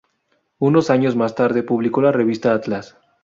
Unos años más tarde, publicó la revista "Atlas".